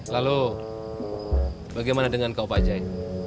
lalu bagaimana dengan kau pak jai